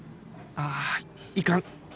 ああいかん！